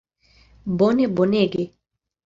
Bone, bonege!